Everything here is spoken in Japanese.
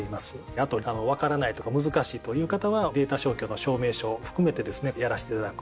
あと分からないとか難しいという方はデータ消去の証明書を含めてですねやらせていただく。